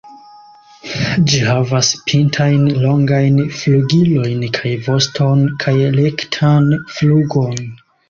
Ĝi havas pintajn longajn flugilojn kaj voston kaj rektan flugon.